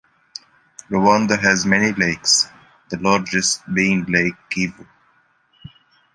Rwanda has many lakes, the largest being Lake Kivu.